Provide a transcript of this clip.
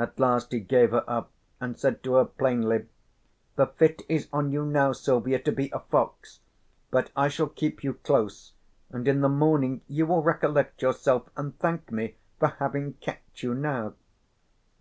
At last he gave her up and said to her plainly: "The fit is on you now Silvia to be a fox, but I shall keep you close and in the morning you will recollect yourself and thank me for having kept you now."